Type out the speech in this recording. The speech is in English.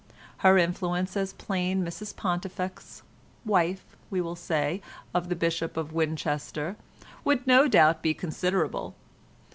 Her influence as plain Mrs Pontifex, wife, we will say, of the Bishop of Winchester, would no doubt be considerable.